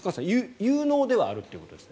有能ではあるということですね。